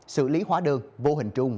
xử lý hóa đơn vô hình trung